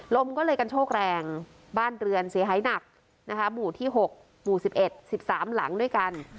ลมก็เลยกันโชครังแรงบ้านเรือนเสียหายหนักนะคะมุที่หกหมู่สิบเอ็ดสิบสามหลังด้วยกัน